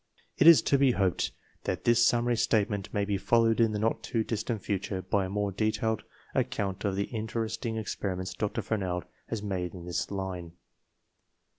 1 It is to be hoped that this summary statement may be followed in the not too distant future by a more detailed account of the interesting experiments Dr. Fernald has made in this line.